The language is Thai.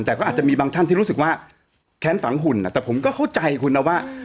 แต่ก็อาจจะมีบางท่านที่รู้สึกว่าแค้นฝังหุ่นแต่ผมก็เข้าใจคุณนะว่า